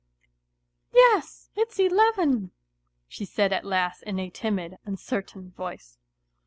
" Yes, it's eleven," she said at last in a timid, uncertain voice.